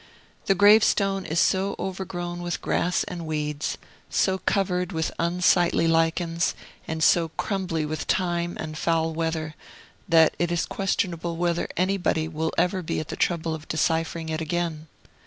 The gravestone is so overgrown with grass and weeds, so covered with unsightly lichens, and so crumbly with time and foul weather, that it is questionable whether anybody will ever be at the trouble of deciphering it again.